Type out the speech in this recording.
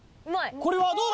これはどうだ？